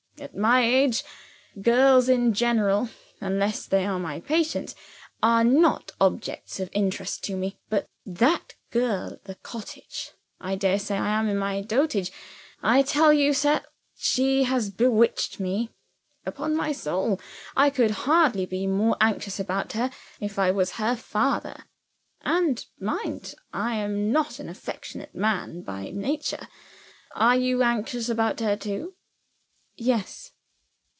At my age, girls in general unless they are my patients are not objects of interest to me. But that girl at the cottage I daresay I am in my dotage I tell you, sir, she has bewitched me! Upon my soul, I could hardly be more anxious about her, if I was her father. And, mind, I am not an affectionate man by nature. Are you anxious about her too?" "Yes."